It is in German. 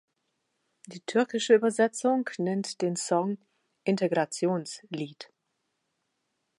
Die türkische Übersetzung nennt den Song „Integrations-Lied“.